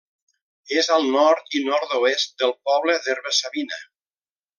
És al nord i nord-oest del poble d'Herba-savina.